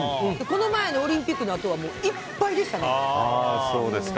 この前のオリンピックのあとはいっぱいでしたね。